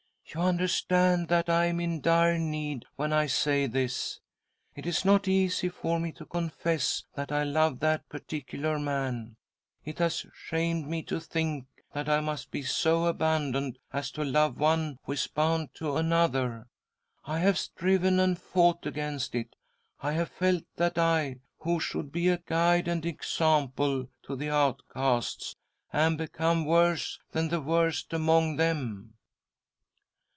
" You understand that I am in dire need when I say this. It is not easy for me to confess that I love that particular man. It has shamed me to think that I must be so abandoned as to love one who is bound to another. I have striven and fought against it ; I have felt that I, who should be a guide and example to the outcasts, am become worse than the worst among them."